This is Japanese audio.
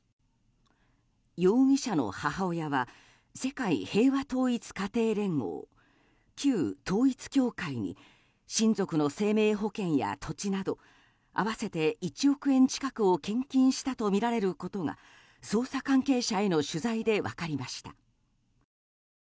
容疑者の母親は世界平和統一家庭連合旧統一教会に親族の生命保険や土地など合わせて１億円近くを献金したとみられることが捜査関係者への取材で分かりました。